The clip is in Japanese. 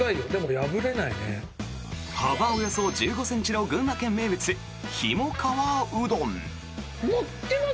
幅およそ１５ｃｍの群馬県名物ひもかわうどん。